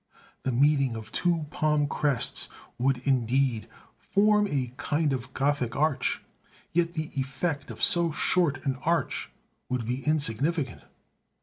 The meeting of two palm crests would indeed form a kind of Gothic arch; yet the effect of so short an arch would be insignificant.